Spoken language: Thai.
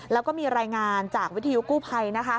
แล้วก็มีรายงานจากวิทยุกู้ภัย